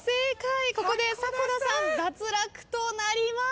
ここで迫田さん脱落となります。